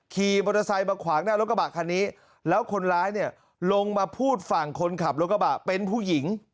ขี่มอเตอร์ไซค์มาขวางหน้ารถกระบะคันนี้แล้วคนร้ายเนี่ยลงมาพูดฝั่งคนขับรถกระบะเป็นผู้หญิง